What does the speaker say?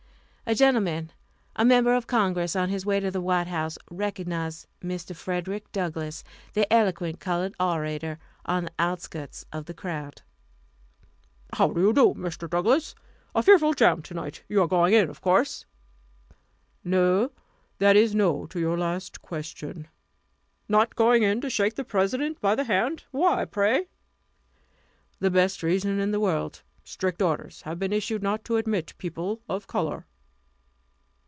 A gentleman, a member of Congress, on his way to the White House, recognized Mr. Frederick Douglass, the eloquent colored orator, on the outskirts of the crowd. "How do you do, Mr. Douglass? A fearful jam to night. You are going in, of course?" "No that is, no to your last question." "Not going in to shake the President by the hand! Why, pray?" "The best reason in the world. Strict orders have been issued not to admit people of color."